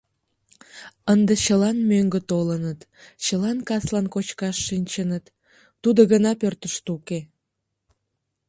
Ынде чылан мӧҥгӧ толыныт, чылан каслан кочкаш шинчыныт, тудо гына пӧртыштӧ уке!